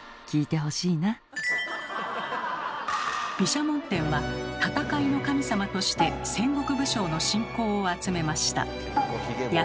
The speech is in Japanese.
毘沙門天は戦いの神様として戦国武将の信仰を集めました。